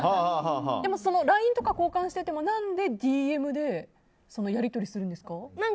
でもＬＩＮＥとか交換していても何でＤＭでやり取りするんですか？